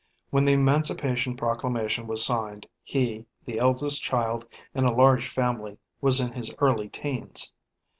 When the Emancipation Proclamation was signed, he, the eldest child in a large family, was in his early teens.